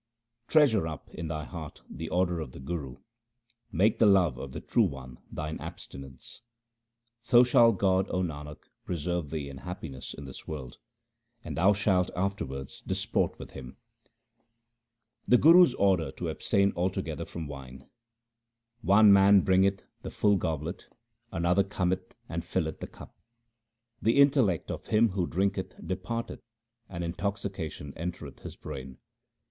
Treasure up in thy heart the order of the Guru ; make the love of the True One thine abstinence ; So shall God, O Nanak, preserve thee in happiness in this world, and thou shalt afterwards disport with Him. HYMNS OF GURU AMAR DAS 215 The Guru's order to abstain altogether from wine :— One man bringeth the full goblet, another cometh and filleth the cup. The intellect of him who drinketh departeth, and in toxication entereth his brain.